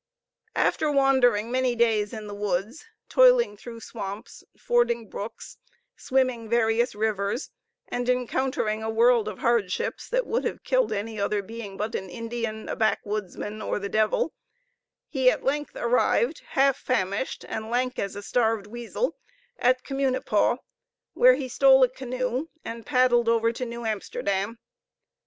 After wandering many days in the woods, toiling through swamps, fording brooks, swimming various rivers, and encountering a world of hardships that would have killed any other being but an Indian, a backwoodsman, or the devil, he at length arrived, half famished, and lank as a starved weasel, at Communipaw, where he stole a canoe, and paddled over to New Amsterdam.